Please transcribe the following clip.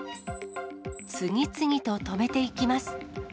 次々と止めていきます。